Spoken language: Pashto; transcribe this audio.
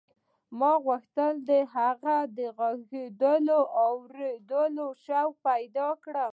ما غوښتل هغه د غږېدو او اورېدو شوق پیدا کړي